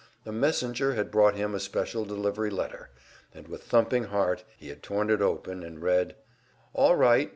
A messenger had brought him a special delivery letter, and with thumping heart he had torn it open and read: "All right.